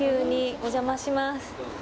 お邪魔します